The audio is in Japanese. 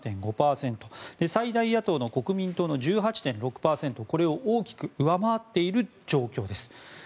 最大野党の国民党の１８．６％これを大きく上回っている状況です。